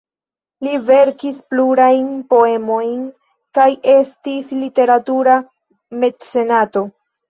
Li verkis plurajn poemojn kaj estis literatura mecenato.